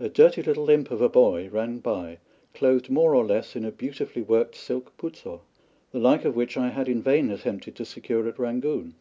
A dirty little imp of a boy ran by clothed more or less in a beautifully worked silk putso, the like of which I had in vain attempted to secure at Rangoon.